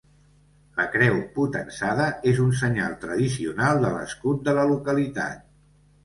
La creu potençada és un senyal tradicional de l'escut de la localitat.